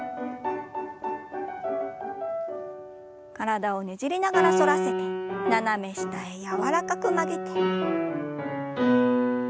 体をねじりながら反らせて斜め下へ柔らかく曲げて。